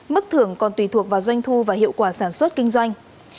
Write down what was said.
mức thưởng còn tùy thuộc vào doanh thu và hiệu quả sản xuất kinh doanh